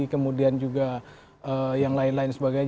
kemudian juga yang lain lain sebagainya